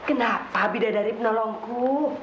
nuh kenapa beda dari penolongku